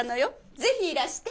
ぜひいらして。